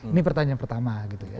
ini pertanyaan pertama